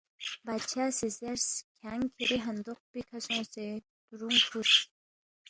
بادشاہ سی زیرس، کھیانگ کَھری ہندوق پیکھہ سونگسے تُرُونگ فُوس